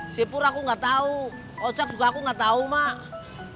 sipur aku gak tau ojek juga aku gak tau mak